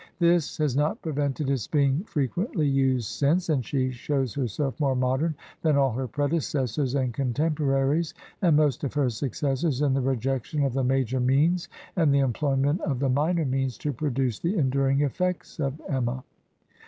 This has not prevented its being fre quently used since, and she shows herself more modem than all her predecessors and contemporaries and most of her successors, in the rejection of the major means and the employment of the minor means to produce the enduring effects of "Emma."